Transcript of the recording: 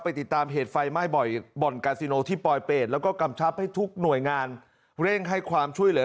ติดตามเหตุไฟไหม้บ่อยบ่อนกาซิโนที่ปลอยเป็ดแล้วก็กำชับให้ทุกหน่วยงานเร่งให้ความช่วยเหลือ